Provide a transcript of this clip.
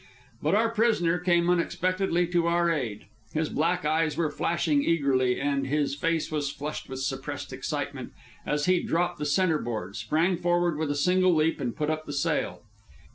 But our prisoner came unexpectedly to our aid. His black eyes were flashing eagerly, and his face was flushed with suppressed excitement, as he dropped the centreboard, sprang forward with a single leap, and put up the sail.